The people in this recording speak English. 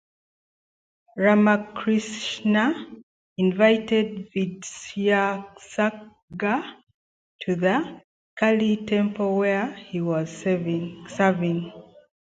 Ramakrishna invited Vidyasagar to the Kali temple where he was serving.